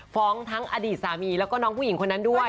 ฟ้องทั้งอดีตสามีแล้วก็น้องผู้หญิงคนนั้นด้วย